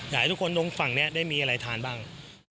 อยากให้ทุกคนตรงฝั่งนี้ได้มีอะไรทานบ้าง